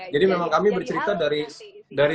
memang kami bercerita dari